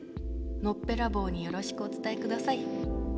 のっぺらぼうによろしくお伝えください。